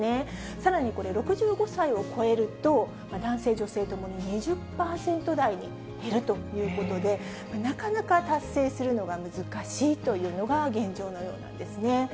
さらにこれ、６５歳を超えると、男性、女性ともに２０％台に減るということで、なかなか達成するのが難しいというのが現状のようなんですね。